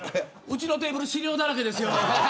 うちのテーブル資料だらけです。